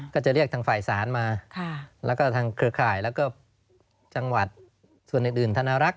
ก็จะเรียกทางฝ่ายศาลมาแล้วก็ทางเครือข่ายแล้วก็จังหวัดส่วนอื่นธนรักษ